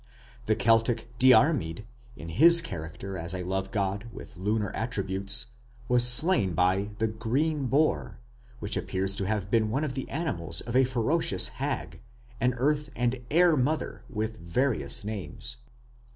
The Celtic Diarmid, in his character as a love god, with lunar attributes, was slain by "the green boar", which appears to have been one of the animals of a ferocious Hag, an earth and air "mother" with various names.